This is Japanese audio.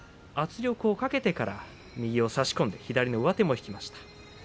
圧力をかけてから右を差し込んで左の上手も引きました。